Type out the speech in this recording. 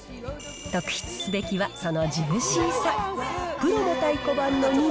特筆すべきはそのジューシーさ。